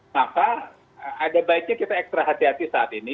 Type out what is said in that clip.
maka ada baiknya kita ekstra hati hati saat ini